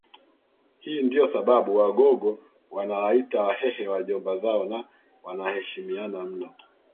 Hii ndiyo sababu Wagogo wanawaita Wahehe Wajomba zao na wanaheshimiana mno